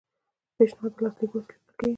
پیشنهاد د لاسلیک وروسته لیږل کیږي.